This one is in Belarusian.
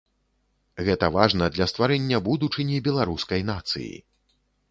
Гэта важна для стварэння будучыні беларускай нацыі.